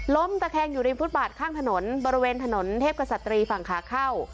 ตะแคงอยู่ริมฟุตบาทข้างถนนบริเวณถนนเทพกษัตรีฝั่งขาเข้า